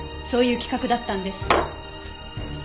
そういう企画だったんです。